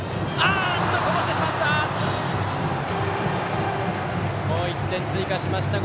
こぼしてしまった！